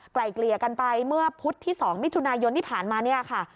ไกลเกลี่ยกันไปเมื่อพุธที่๒มิถุนายนที่ผ่านมาเนี่ยค่ะ